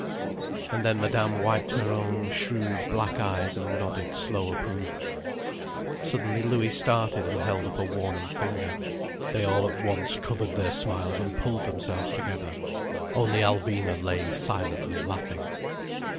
And then Madame wiped her own shrewd black eyes, and nodded slow approval. Suddenly Louis started and held up a warning finger. They all at once covered their smiles and pulled themselves together. Only Alvina lay silently laughing.